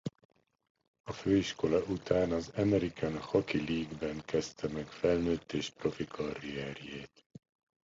A főiskola után az American Hockey League-ben kezdte meg felnőtt és profi karrierjét.